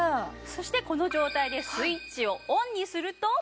そしてこの状態でスイッチをオンにすると。